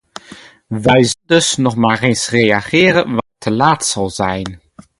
Wij zullen dus nog maar eens reageren wanneer het te laat zal zijn!